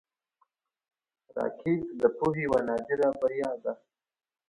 راکټ د پوهې یوه نادره بریا ده